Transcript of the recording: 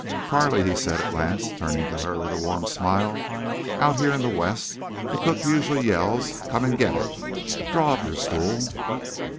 "Carley," he said, at last turning to her with a warm smile, "out here in the West the cook usually yells, 'Come and get it.' Draw up your stool."